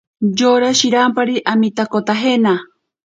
Yora shirampari amitakotajena.